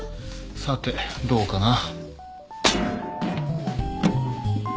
さてどうかな。